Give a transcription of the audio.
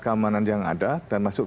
keamanan yang ada dan masuk ke